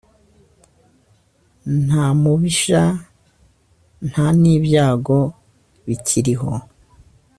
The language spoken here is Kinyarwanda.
nta mubisha nta n’ibyago bikiriho